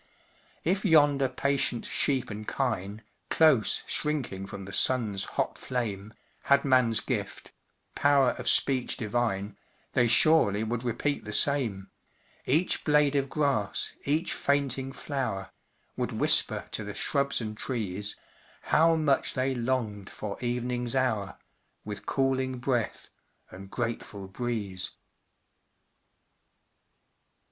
If yonder patient sheep and kine, Close shrinking from the sun's hot flame, Had man's gift "power of speech divine," They surely would repeat the same Each blade of grass, each fainting flower, Would whisper to the shrubs and trees, How much they longed for evening's hour, With cooling breath and grateful breeze.